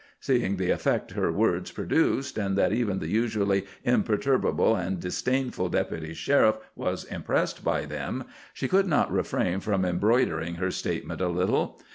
Seeing the effect her words produced, and that even the usually imperturbable and disdainful Deputy Sheriff was impressed by them, she could not refrain from embroidering her statement a little.